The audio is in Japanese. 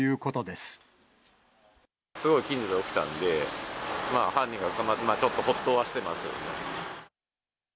すごい近所で起きたので、まあ犯人が捕まって、ちょっとほっとはしてます。